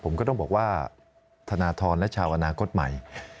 ผมก็ต้องบอกว่าธนทรและชาวอนาคตใหม่